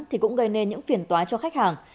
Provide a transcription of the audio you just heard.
thì cũng gây nên những phiền toái cho khách hàng